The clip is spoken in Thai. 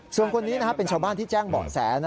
ส่วนคนนี้เป็นชาวบ้านที่แจ้งเบาะแส